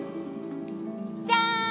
じゃん！